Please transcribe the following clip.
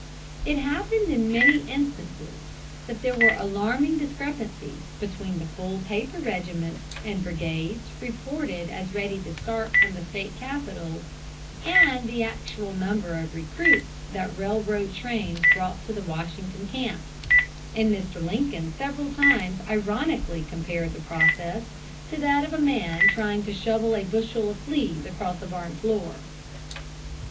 It happened in many instances that there were alarming discrepancies between the full paper regiments and brigades reported as ready to start from State capitals, and the actual number of recruits that railroad trains brought to the Washington camps; and Mr. Lincoln several times ironically compared the process to that of a man trying to shovel a bushel of fleas across a barn floor.